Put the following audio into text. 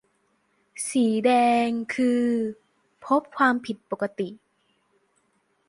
- สีแดงคือ พบความผิดปกติ